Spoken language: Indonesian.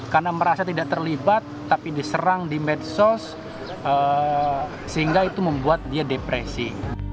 karena merasa tidak terlibat tapi diserang di medsos sehingga itu membuat dia depresi